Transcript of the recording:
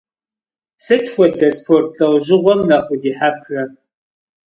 Sıt xuede sport lh'eujığuem nexh vudihexre?